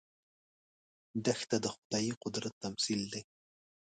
دښته د خدايي قدرت تمثیل دی.